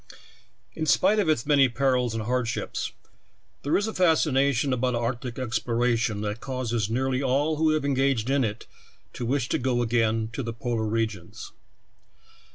\ N Spite of its many perils and hard 'I'in ships, there is a fascination about ^~ liJi arctic exploration that causes near ly all who have engaged in it to wish to go again to the polar re gions.